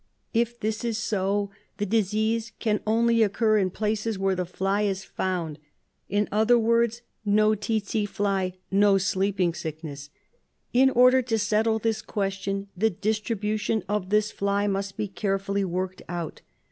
If this is so, the disease can only occur in places where the fly is found. In other words, no tsetse fly, no sleeping sickness. "In order to settle this question the distribution of this fly must be carefully worked out.